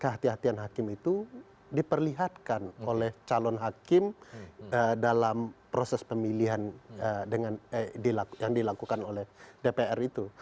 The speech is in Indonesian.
kehatian kehatian hakim itu diperlihatkan oleh calon hakim dalam proses pemilihan yang dilakukan oleh dpr itu